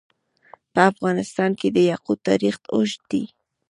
په افغانستان کې د یاقوت تاریخ اوږد دی.